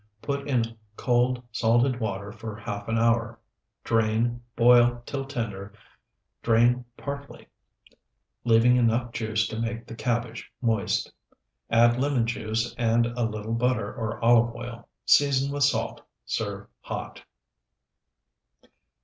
Put in cold, salted water for half an hour; drain, boil till tender; drain partly, leaving enough juice to make the cabbage moist; add lemon juice and a little butter or olive oil; season with salt; serve hot.